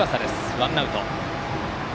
ワンアウト。